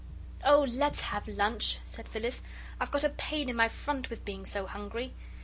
"Oh, let's have lunch," said Phyllis; "I've got a pain in my front with being so hungry.